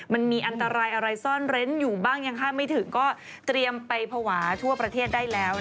มันมีอันตรายอะไรซ่อนเร้นอยู่บ้างยังข้ามไม่ถึงก็เตรียมไปภาวะทั่วประเทศได้แล้ว